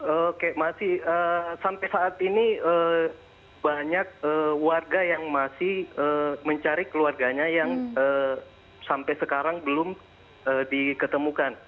oke masih sampai saat ini banyak warga yang masih mencari keluarganya yang sampai sekarang belum diketemukan